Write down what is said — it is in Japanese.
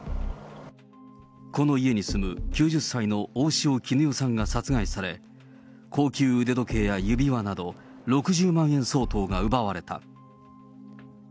この家に住む、９０歳の大塩衣与さんが殺害され、高級腕時計や指輪など、６０万円相当が奪われた。